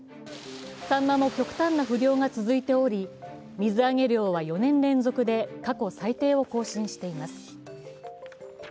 サンマも極端な不漁が続いており、水揚げ量は４年連続で過去最低を更新しています。